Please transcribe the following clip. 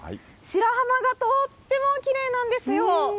白浜がとってもきれいなんですよ。